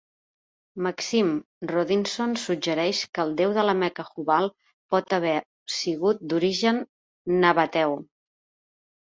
Maxime Rodinson suggereix que el déu de la Mecca Hubal pot haver sigut d'origen nabateu.